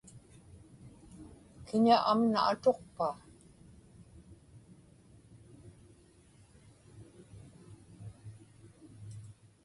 kiña amna atuqpa?